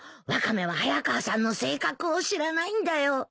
ワカメは早川さんの性格を知らないんだよ。